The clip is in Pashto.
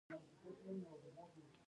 بهرني مارکیټ ته نه لاسرسی ستونزه ده.